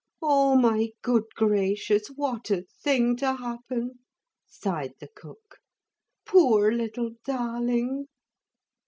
'Oh, my good gracious, what a thing to happen,' sighed the cook. 'Poor little darling!'